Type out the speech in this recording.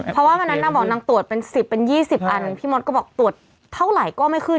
เพราะว่าวันนั้นนางบอกนางตรวจเป็น๑๐เป็น๒๐อันพี่มดก็บอกตรวจเท่าไหร่ก็ไม่ขึ้น